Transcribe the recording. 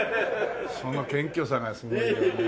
その謙虚さがすごいよね。